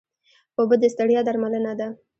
اوبه د ستړیا درملنه ده